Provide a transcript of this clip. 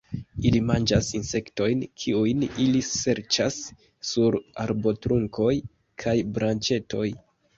Ili manĝas insektojn, kiujn ili serĉas sur arbotrunkoj kaj branĉetoj.